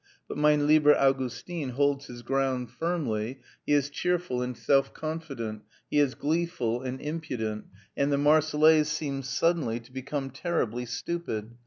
But "Mein lieber Augustin" holds his ground firmly, he is cheerful and self confident, he is gleeful and impudent, and the "Marseillaise" seems suddenly to become terribly stupid.